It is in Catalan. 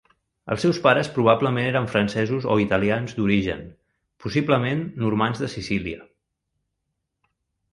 Els seus pares probablement eren francesos o italians d'origen, possiblement normands de Sicília.